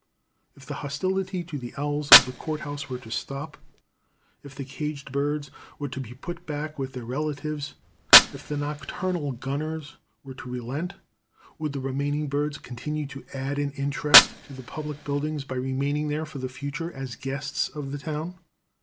If the hostility to the owls of the court house were to stop, if the caged birds were to be put back with their relatives, if the nocturnal gunners were to relent, would the remaining birds continue to add an interest to the public buildings by remaining there for the future as the guests of the town?